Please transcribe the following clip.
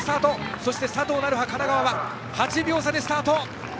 そして佐藤成葉、神奈川は８秒差でスタート。